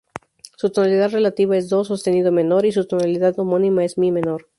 Su tonalidad relativa es "do" sostenido menor, y su tonalidad homónima es "mi" menor.